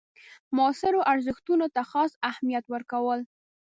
معاصرو ارزښتونو ته خاص اهمیت ورکول.